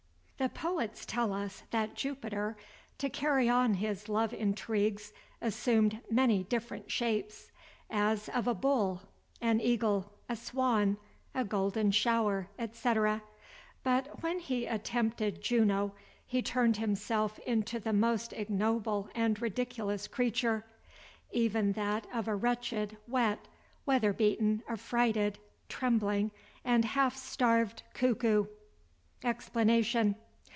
The poets tell us, that Jupiter, to carry on his love intrigues, assumed many different shapes; as of a bull, an eagle, a swan, a golden shower, &c. but when he attempted Juno, he turned himself into the most ignoble and ridiculous creature,—even that of a wretched, wet, weather beaten, affrighted, trembling and half starved cuckoo. EXPLANATION.